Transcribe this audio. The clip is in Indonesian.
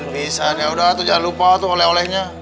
desain ya udah tuh jangan lupa tuh oleh olehnya